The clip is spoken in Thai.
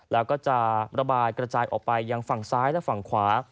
แล้วก็จะระบายกระจายออกไปยังฝั่งซ้ายและฝั่งขวา